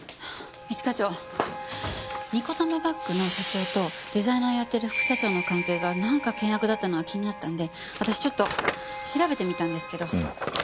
一課長ニコタマバッグの社長とデザイナーやってる副社長の関係がなんか険悪だったのが気になったので私ちょっと調べてみたんですけど。